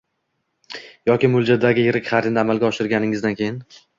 yoki mo‘ljaldagi yirik xaridni amalga oshirganingizdan keyin